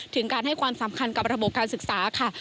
ถึงการให้ความสำคัญกับระบบการศึกษาค่ะ